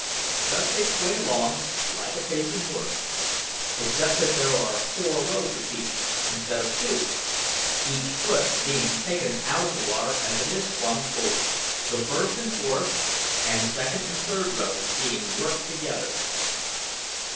Thus they swing along like a pacing horse, except that there are four rows of feet instead of two, each foot being taken out of the water as it is swung forward, the first and fourth and second and third rows being worked together.